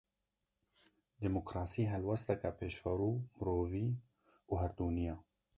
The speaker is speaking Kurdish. Demokrasî, helwesteke pêşverû, mirovî û gerdûnî ye